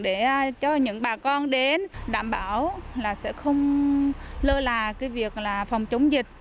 để cho những bà con đến đảm bảo là sẽ không lơ là cái việc là phòng chống dịch